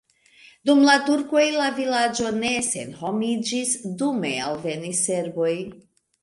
Dum la turkoj la vilaĝo ne senhomiĝis, dume alvenis serboj.